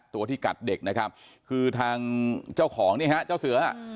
ตัวที่กัดเด็กนะครับคือทางเจ้าของเนี่ยฮะเจ้าเสือ